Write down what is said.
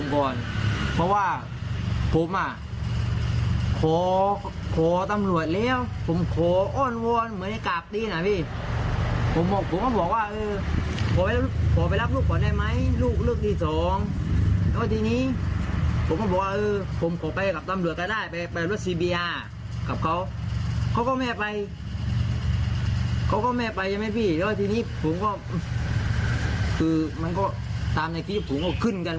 เขาก็แม่ไปแล้วทีนี้ผมก็คือมันก็ตามในคลิปผมก็ขึ้นกัน